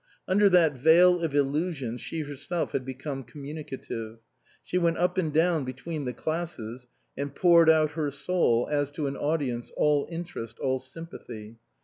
Under that veil of illusion she herself had become communicative. She went up and down between the classes and poured out her soul as to an audience all interest, all sympathy.